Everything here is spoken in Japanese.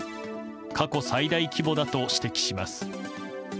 過去最大規模だと指摘します。